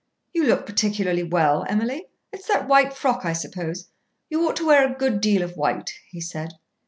"You look particularly well, Emily. It's that white frock, I suppose. You ought to wear a good deal of white," he said.